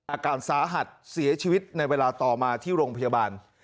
อาการสาหัสเสียชีวิตในเวลาต่อมาที่โรงพยาบาล